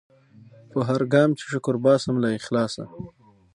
پر هرګام چي شکر باسم له اخلاصه